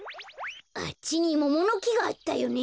あっちにモモのきがあったよね。